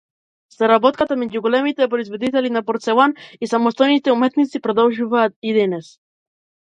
Соработката меѓу големите производители на порцелан и самостојните уметници продолжува и денес.